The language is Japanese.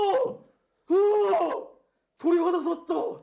鳥肌立った！